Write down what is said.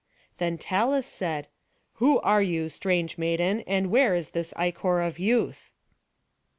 Then Talus said, "Who are you, strange maiden; and where is this ichor of youth?"